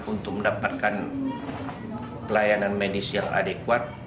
untuk mendapatkan pelayanan medis yang adekuat